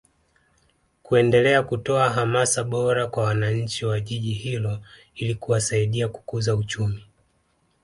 kuendelea kutoa hamasa bora kwa wananchi wa Jiji hilo ili kuwasaidia kukuza uchumi